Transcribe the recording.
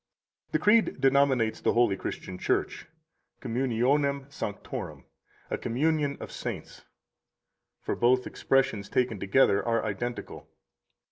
47 The Creed denominates the holy Christian Church, communionem sanctorum, a communion of saints; for both expressions, taken together, are identical.